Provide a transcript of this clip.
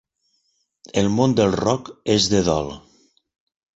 El món del rock és de dol.